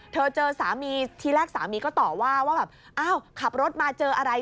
เจอสามีทีแรกสามีก็ต่อว่าว่าแบบอ้าวขับรถมาเจออะไร